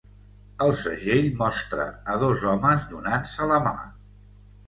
El segell mostra a dos homes donant-se la mà.